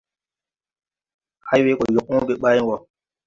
Hay we gɔ yɔg õõbe ɓayn wɔ!